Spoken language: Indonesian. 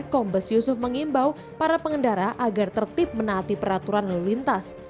kombes yusuf mengimbau para pengendara agar tertib menaati peraturan lalu lintas